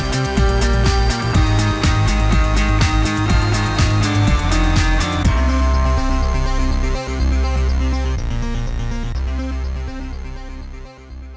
ถ้าร้านค้าไปโน่นบางทีเขารีบจะกลับบ้านอ๊ะรีบซื้อแล้วก็รอไปอีกอย่างนี้